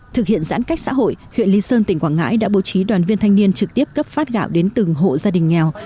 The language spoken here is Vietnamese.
thực hiện giãn cách xã hội huyện lý sơn tỉnh quảng ngãi đã bố trí đoàn viên thanh niên trực tiếp cấp phát gạo đến từng hộ gia đình nghèo